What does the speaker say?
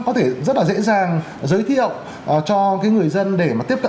có thể rất là dễ dàng giới thiệu cho cái người dân để mà tiếp cận